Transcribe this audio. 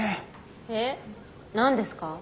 えっ何ですか？